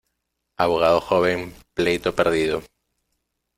Abogado joven, pleito perdido.